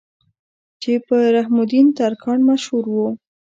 چې پۀ رحم الدين ترکاڼ مشهور وو